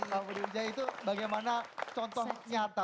nah budi wijaya itu bagaimana contoh nyata